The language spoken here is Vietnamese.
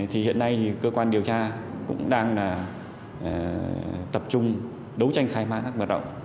hiện nay cơ quan điều tra cũng đang tập trung đấu tranh khai mát mặt rộng